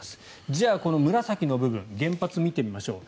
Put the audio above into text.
じゃあこの紫の部分、原発を見てみましょう。